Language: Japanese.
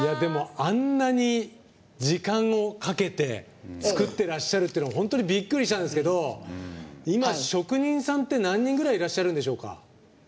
あんなに時間をかけて作ってらっしゃるっていうの本当にびっくりしたんですけど今、職人さんって何人ぐらいいらっしゃるんでしょうか？